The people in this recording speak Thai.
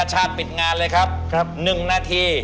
ชาติปิดงานเลยครับ๑นาที